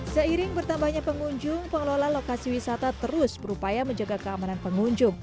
seiring bertambahnya pengunjung pengelola lokasi wisata terus berupaya menjaga keamanan pengunjung